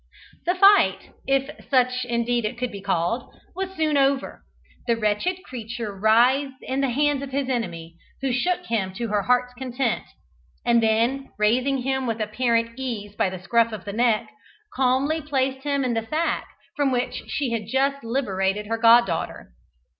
The fight, if such indeed it could be called, was soon over. The wretched creature writhed in the hands of his enemy, who shook him to her heart's content, and then, raising him with apparent ease by the scruff of the neck, calmly placed him in the sack from which she had just liberated her goddaughter.